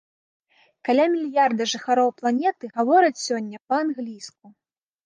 Каля мільярда жыхароў планеты гавораць сёння па-англійску!